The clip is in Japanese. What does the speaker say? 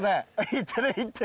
行ってる行ってる。